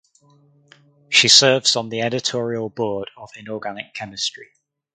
She serves on the editorial board of Inorganic Chemistry.